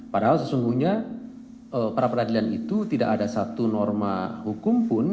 padahal sesungguhnya peradilan itu tidak ada satu norma hukum pun